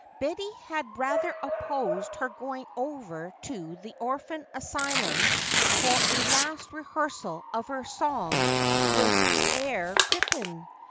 Betty had rather opposed her going over to the orphan asylum for a last rehearsal of her song with Herr Crippen.